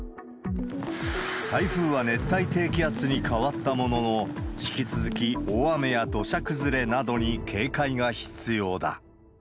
台風は熱帯低気圧に変わったものの、引き続き大雨や土砂崩れなどに警戒が必要だ。